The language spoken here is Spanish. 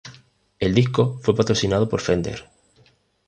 El disco fue patrocinado por Fender.